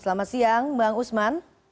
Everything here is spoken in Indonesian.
selamat siang bang usman